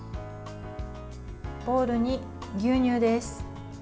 ボウルに牛乳です。